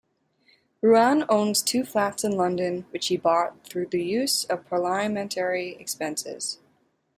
Ruane owns two flats in London which he bought though use of parliamentary expenses.